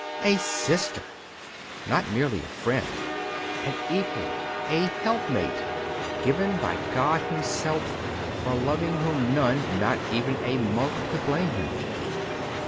A sister! not merely a friend, an equal, a help mate, given by God Himself, for loving whom none, not even a monk, could blame him.